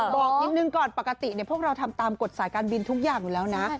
บอกนิดนึงก่อนปกติพวกเราทำตามกฎสายการบินทุกอย่างอยู่แล้วนะ